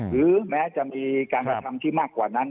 หรือแม้จะมีการกระทำที่มากกว่านั้น